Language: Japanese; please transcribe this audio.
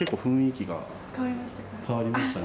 変わりましたか？